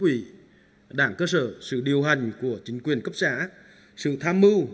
ủy đảng cơ sở sự điều hành của chính quyền cấp xã sự tham mưu